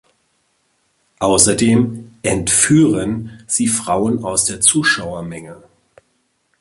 Außerdem „entführen“ sie Frauen aus der Zuschauermenge.